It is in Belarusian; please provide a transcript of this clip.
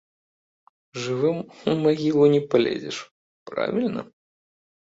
Жывым у магілу не палезеш, правільна?